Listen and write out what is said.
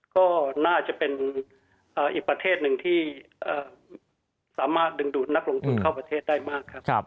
ก็น่าจะเป็นอีกประเทศหนึ่งที่สามารถดึงดูดนักลงทุนเข้าประเทศได้มากครับ